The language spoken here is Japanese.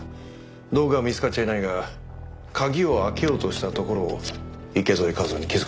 道具は見つかっちゃいないが鍵を開けようとしたところを池添一雄に気づかれたんだ。